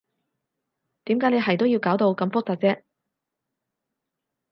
點解你係都要搞到咁複雜啫？